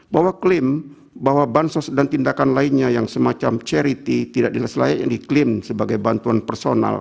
bahwa klaim bahwa bansos dan tindakan lainnya yang semacam charity tidak jelas layaknya diklaim sebagai bantuan personal